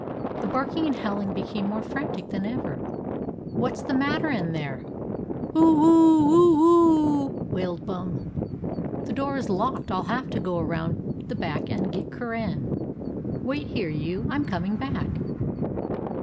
The barking and howling became more frantic than ever. "What 's the matter in there?" "Oo oo oo oo !" wailed Bum. "The door is locked. "I 'll have to go around the block and get Curran. Wait there, you. I 'm coming back."